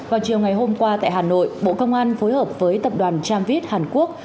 vào chiều ngày hôm qua tại hà nội bộ công an phối hợp với tập đoàn tramvit hàn quốc